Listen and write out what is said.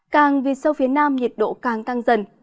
càng vì sâu phía nam nhiệt độ càng tăng dần